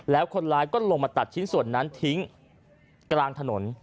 แล้วคนร้ายก็ลงมาตัดชิ้นส่วนนั้นทิ้งกลางถนน